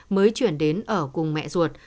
mới chuyển đến ở cùng mẹ ruột